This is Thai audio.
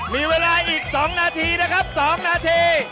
มีเวลาอีก๒นาทีนะครับ๒นาที